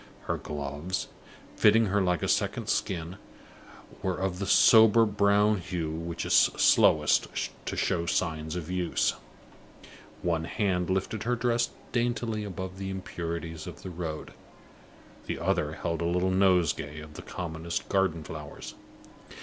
Her gloves, fitting her like a second skin, were of the sober brown hue which is slowest to show signs of use. One hand lifted her dress daintily above the impurities of the road; the other held a little nosegay of the commonest garden flowers.